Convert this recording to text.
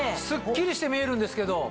スッキリして見えるんですけど。